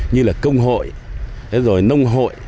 như là công hội nông hội